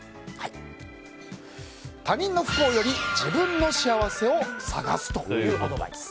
他人の不幸より自分の幸せを探すというアドバイス。